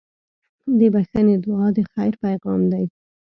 د بښنې دعا د خیر پیغام دی.